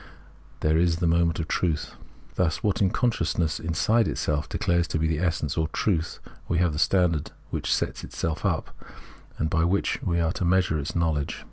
there is the moment of truth. Thus in what consciousness inside itself declares to be the essence or truth we have the standard which itself sets up, and by which we are to measure its l^TL0wledge.